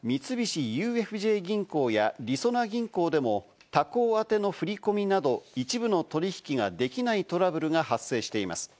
また三菱ＵＦＪ銀行や、りそな銀行でも他行宛ての振込など一部の取引ができないトラブルが発生しています。